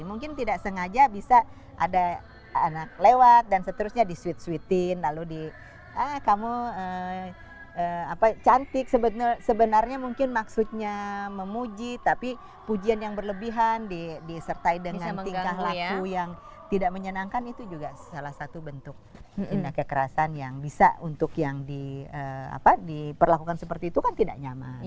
mungkin tidak sengaja bisa ada anak lewat dan seterusnya disuit suitin lalu di ah kamu cantik sebenarnya mungkin maksudnya memuji tapi pujian yang berlebihan disertai dengan tingkah laku yang tidak menyenangkan itu juga salah satu bentuk tindak kekerasan yang bisa untuk yang diperlakukan seperti itu kan tidak nyaman